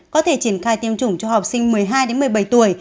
có thể triển khai tiêm chủng cho học sinh một mươi hai một mươi bảy tuổi